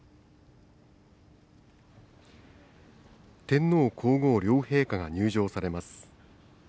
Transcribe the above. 天皇皇后両陛下が入場されます。